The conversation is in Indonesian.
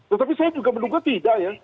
tetapi saya juga menduga tidak ya